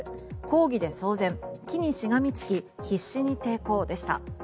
抗議で騒然、木にしがみつき必死に抵抗でした。